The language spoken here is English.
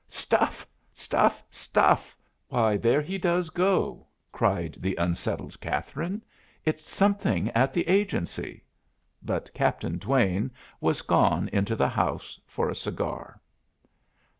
"Stuff, stuff, stuff! Why, there he does go!" cried the unsettled Catherine. "It's something at the Agency!" But Captain Duane was gone into the house for a cigar.